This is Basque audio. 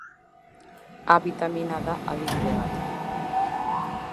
A bitamina eda adibide bat.